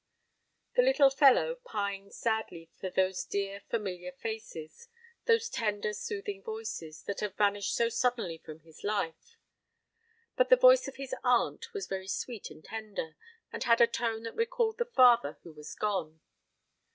The little fellow pined sadly for those dear familiar faces, those tender soothing voices, that had vanished so suddenly from his life. But the voice of his aunt was very sweet and tender, and had a tone that recalled the father who was gone.